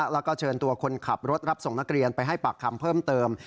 แล้วก็เชิญตัวคนขับรถรับส่งนักเรียนไปให้ปากคำเพิ่มเติม